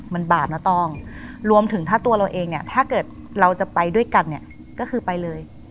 มันบาปนะต้องรวมถึงถ้าตัวเราเองเนี่ยถ้าเกิดเราจะไปด้วยกันเนี่ยก็คือไปเลย